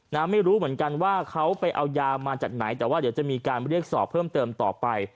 ไม่รู้เหมือนกันว่าเขาไปเอายามาจากไหนแต่ว่าเดี๋ยวจะมีการเรียกสอบเพิ่มเติมต่อไป